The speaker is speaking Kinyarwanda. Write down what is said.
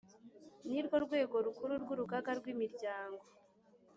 Nirwo rwego rukuru rw urugaga rw imiryango